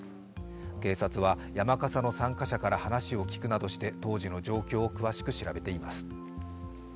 警察は山笠の参加者から話を聞くなどして当時の状況を詳しく調べています。